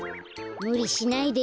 むりしないで。